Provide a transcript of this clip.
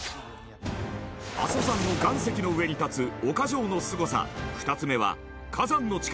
阿蘇山の岩石の上に立つ岡城のすごさ２つ目は火山の力！